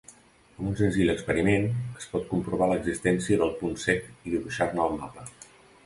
Amb un senzill experiment es pot provar l'existència del punt cec i dibuixar-ne el mapa.